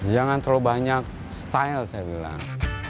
jangan terlalu banyak style saya bilang